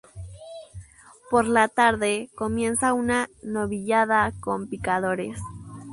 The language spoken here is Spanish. Por la tarde, comienza una Novillada con picadores.